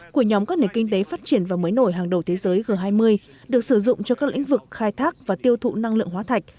của nhóm các nền kinh tế phát triển và mới nổi hàng đầu thế giới g hai mươi được sử dụng cho các lĩnh vực khai thác và tiêu thụ năng lượng hóa thạch